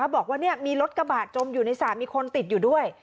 บอกว่ามีรถกระบะจมอยู่ในสระมีคนติดอยู่ด้วย